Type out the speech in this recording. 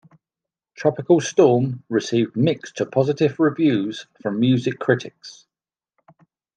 "Tropical Storm" received mixed to positive reviews from music critics.